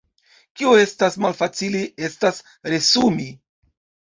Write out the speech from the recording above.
Kio estas malfacile estas resumi.